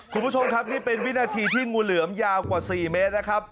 คุณผู้ชมครับนี่เป็นวินาทีที่งูเหลือมยาวกว่า๔เมตรนะครับ